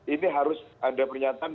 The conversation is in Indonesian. ini harus ada pernyataan itu kan